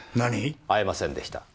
会えませんでした。